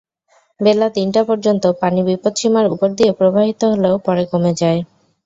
বেলা তিনটা পর্যন্ত পানি বিপৎসীমার ওপর দিয়ে প্রবাহিত হলেও পরে কমে যায়।